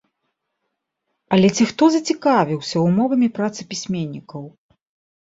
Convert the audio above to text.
Але ці хто зацікавіўся ўмовамі працы пісьменнікаў?